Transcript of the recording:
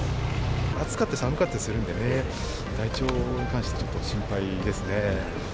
暑かったり寒かったりするんでね、体調に関してちょっと心配ですね。